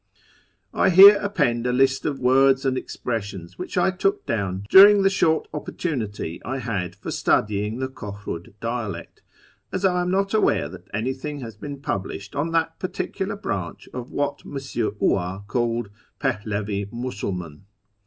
I here append a list of the words and expressions which I took down during the short opportunity I had for studying the Kohriid dialect, as I am not aware that anything has been published on that particular branch of what M. Huart calls " Pehlevi Musulman."